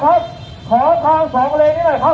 พ่อแม่พี่น้องข้างไหนนะครับที่ผ่านรถมา